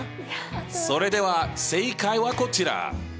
それでは正解はこちら。